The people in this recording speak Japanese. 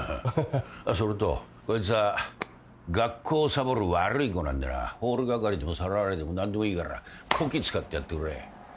それとこいつは学校をサボる悪い子なんでなホール係でも皿洗いでも何でもいいからこき使ってやってくれ。